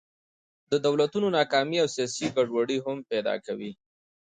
د دولتونو ناکامي او سیاسي ګډوډۍ هم پیدا کوي.